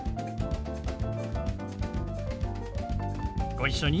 ご一緒に。